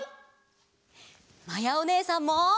まやおねえさんも。